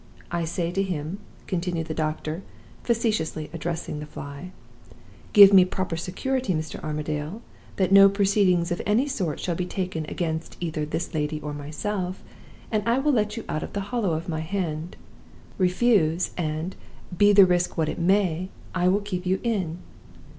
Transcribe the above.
I say to him,' continued the doctor, facetiously addressing the fly, 'Give me proper security, Mr. Armadale, that no proceedings of any sort shall be taken against either this lady or myself, and I will let you out of the hollow of my hand. Refuse and, be the risk what it may, I will keep you in."